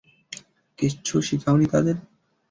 কিছু শিখাওনি তাদের?